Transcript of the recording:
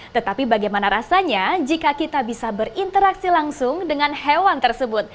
tetapi bagaimana rasanya jika kita bisa berinteraksi langsung dengan hewan tersebut